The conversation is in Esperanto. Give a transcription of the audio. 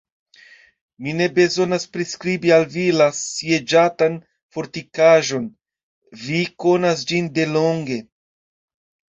Mi ne bezonas priskribi al vi la sieĝatan fortikaĵon: vi konas ĝin de longe.